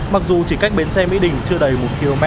mặc dù chỉ cách bến xe mỹ đình chưa đầy một km